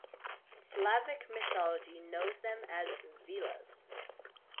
Slavic mythology knows them as vilas.